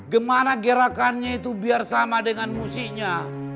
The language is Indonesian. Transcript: gimana gerakannya itu biar sama dengan musiknya